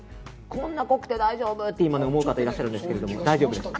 こんなに濃くて大丈夫？って思う方いらっしゃるんですけど大丈夫です。